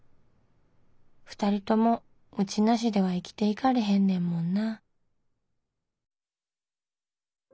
二人ともうち無しでは生きていかれへんねんもんな」。